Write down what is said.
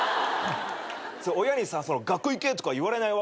親にさ学校行けとか言われないわけ？